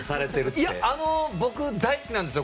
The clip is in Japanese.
いや僕、大好きなんですよ